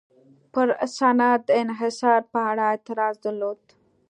پر صنعت د انحصار په اړه اعتراض درلود.